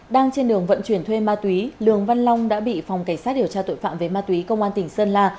đang trên đường vận chuyển thuê ma túy lường văn long đã bị phòng cảnh sát điều tra tội phạm về ma túy công an tỉnh sơn la